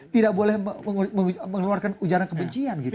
tidak boleh mengeluarkan ujaran kebencian gitu